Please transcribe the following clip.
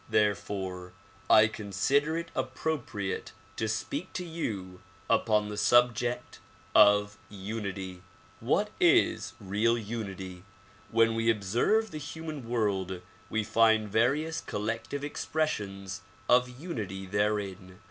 Therefore I consider it appropriate to speak to you upon the sub ject of "Unity." What is real unity? When we observe the human world we find various collective expressions of unity therein.